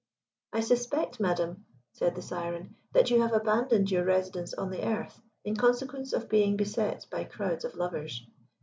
"I suspect, madam," said the Syren, "that you have abandoned your residence on the earth in consequence of being beset by crowds of lovers.